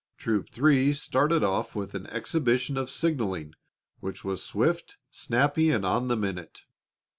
Troop Three started off with an exhibition of signaling which was swift, snappy, and on the minute.